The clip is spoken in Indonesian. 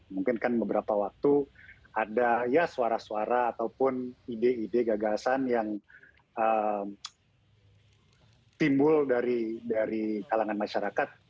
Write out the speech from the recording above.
mungkin kan beberapa waktu ada ya suara suara ataupun ide ide gagasan yang timbul dari kalangan masyarakat